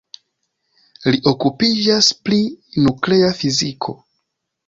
Li okupiĝas pri nuklea fiziko.